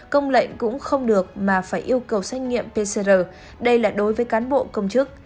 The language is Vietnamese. công lệnh cũng không được mà phải yêu cầu xét nghiệm pcr đây là đối với cán bộ công chức